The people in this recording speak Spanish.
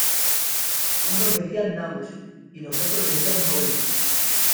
Unos decían nabos y los otros decían coles.